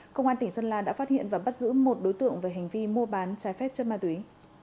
công an tỉnh sơn la đã phát hiện và bắt giữ một đối tượng về hành vi mua bán trái phép chất ma túy